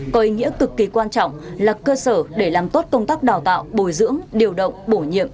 có ý nghĩa cực kỳ quan trọng là cơ sở để làm tốt công tác đào tạo bồi dưỡng điều động bổ nhiệm